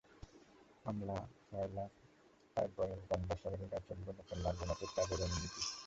আমলা ফয়লা পাইক বরকন্দাজ সবারই গায়ে চড়ল নতুন লাল বনাতের চাদর, রঙিন ধুতি।